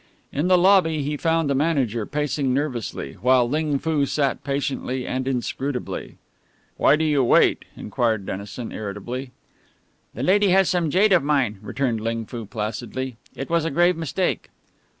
In the lobby he found the manager pacing nervously, while Ling Foo sat patiently and inscrutably. "Why do you wait?" inquired Dennison, irritably. "The lady has some jade of mine," returned Ling Foo, placidly. "It was a grave mistake."